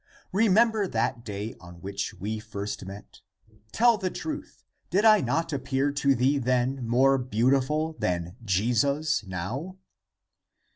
Remember that day on which we first met. Tell the truth : did I not appear to thee then more beautiful than Jesus now?"